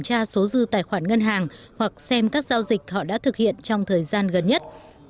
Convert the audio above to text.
tra số dư tài khoản ngân hàng hoặc xem các giao dịch họ đã thực hiện trong thời gian gần nhất